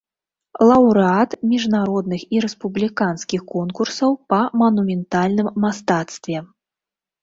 Лаўрэат міжнародных і рэспубліканскіх конкурсаў па манументальным мастацтве.